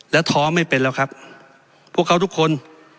แล้วท้อไม่เป็นแล้วครับพวกเขาทุกคน